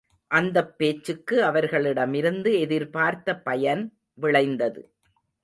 அந்தப் பேச்சுக்கு அவர்களிடமிருந்து எதிர்பார்த்த பயன் விளைந்தது.